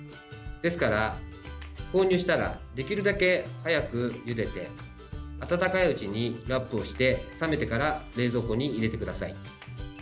ですから、購入したらできるだけだけ早くゆでて温かいうちにラップをして冷めてから冷蔵庫に入れてください。